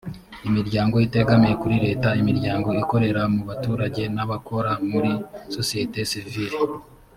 imiryango itegamiye kuri leta imiryango ikorera mu baturage n abakora muri sosiyete sivili